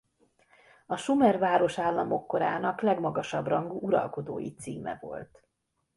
A sumer városállamok korának legmagasabb rangú uralkodói címe volt.